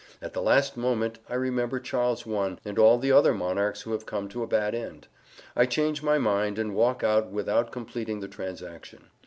At the last moment I remember Charles I and all the other monarchs who have come to a bad end; I change my mind, and walk out without completing the transaction.